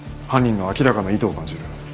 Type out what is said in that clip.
犯人の明らかな意図を感じる。